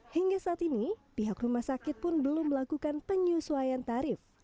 hingga saat ini pihak rumah sakit pun belum melakukan penyesuaian tarif